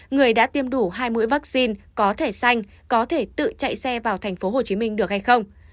người đã tiêm đủ hai mũi vaccine có thể xanh có thể tự chạy xe vào tp hcm được hay không